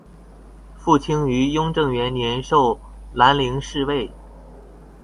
傅清于雍正元年授蓝翎侍卫。